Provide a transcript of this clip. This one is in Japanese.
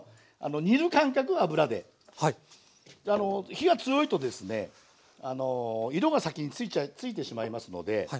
火が強いとですね色が先についてしまいますので。